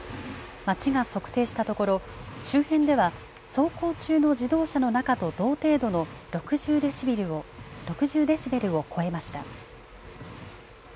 町が測定したところ、周辺では、走行中の自動車の中と同程度の６０デシベルを超えました。